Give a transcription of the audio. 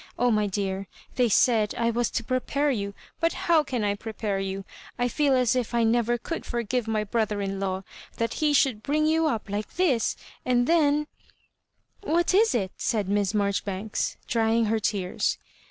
Oh, my dear, they said I was to prepare you, but how can I prepare you ? I feel as if I never could forgive my brother in law ; that he should bring you up like this, and then *^*' What is it? " said Miss Marjoribanks, drying her tears.